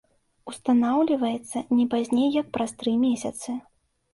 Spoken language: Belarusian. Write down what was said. Устанаўліваецца не пазней як праз тры месяцы.